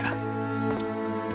ketika dia berbicara pada raja